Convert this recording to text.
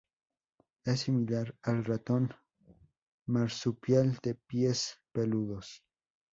Es similar al ratón marsupial de pies peludos.